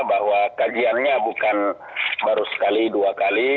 bahwa kajiannya bukan baru sekali dua kali